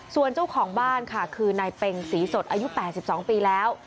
ส่วนเจ้าของบ้านค่ะคือนายเป็งศรีสดอายุ๘๒ปีแล้ว